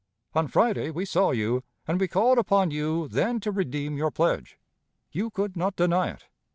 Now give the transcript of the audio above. On Friday we saw you, and we called upon you then to redeem your pledge. You could not deny it.